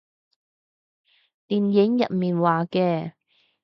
電影入面話嘅